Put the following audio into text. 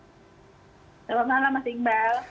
selamat malam mas iqbal